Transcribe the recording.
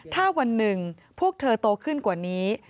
ถ้าวันหนึ่งพวกเธอโตขึ้นกว่านี้